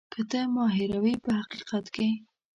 که ته ما هېروې په حقیقت کې.